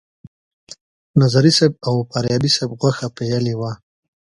نظري صیب او فاریابي صیب غوښه پیلې وه.